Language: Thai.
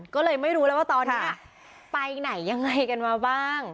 ก็เลยไม่รู้แล้วว่าตอนนี้ไปไหนยังไงกันมาบ้าง